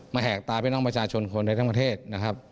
แหกตาพี่น้องประชาชนคนในทั้งประเทศนะครับ